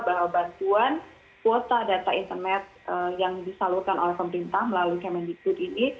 bahwa bantuan kuota data internet yang disalurkan oleh pemerintah melalui kemendikbud ini